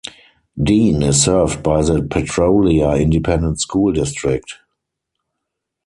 Dean is served by the Petrolia Independent School District.